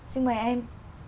xin mời em